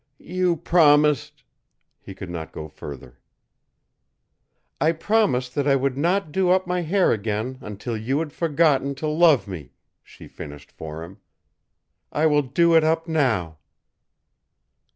"You promised " He could not go further. "I promised that I would not do up my hair again until you had forgotten to love me," she finished for him. "I will do it up now."